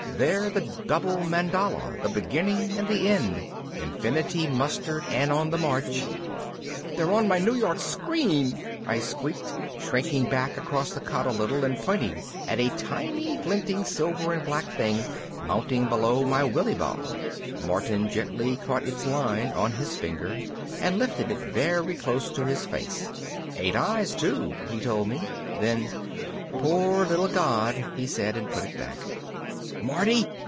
They're the double mandala, the beginning and the end, infinity mustered and on the march " "They're also on my New York screen!" I squeaked, shrinking back across the cot a little and pointing at a tiny glinting silver and black thing mounting below my Willy ball. Martin gently caught its line on his finger and lifted it very close to his face. "Eight eyes too," he told me. Then, "Poor little god," he said and put it back. "Marty?